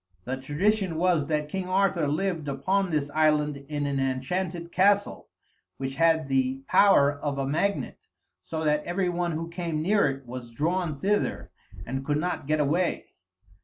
The tradition was that King Arthur lived upon this island in an enchanted castle which had the power of a magnet, so that every one who came near it was drawn thither and could not get away.